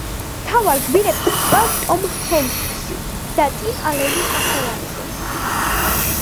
მთავარ გმირებს კვლავ ტომ ჰენქსი და ტიმ ალენი ახმოვანებენ.